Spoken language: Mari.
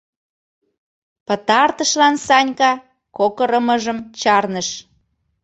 Пытартышлан Санька кокырымыжым чарныш.